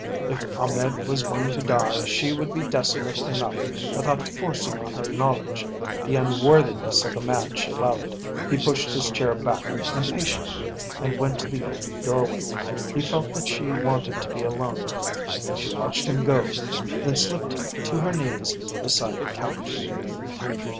If Ahmed was going to die, she would be desolate enough without forcing on her knowledge the unworthiness of the man she loved. He pushed his chair back impatiently and went to the open doorway. He felt that she wanted to be alone. She watched him go, then slipped to her knees beside the couch.